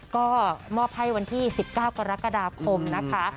ก็มอบให้วันที่๑๙กรกฎาคมนะคะ